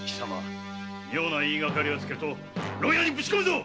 妙な言いがかりをつけると牢屋にぶちこむぞ！